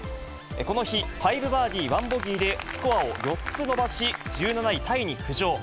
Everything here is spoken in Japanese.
この日、５バーディー１ボギーでスコアを４つ伸ばし、１７位タイに浮上。